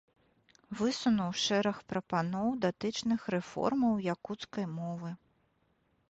Высунуў шэраг прапаноў, датычных рэформаў якуцкай мовы.